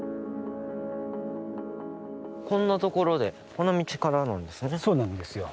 こんなところでこの道からなんですね。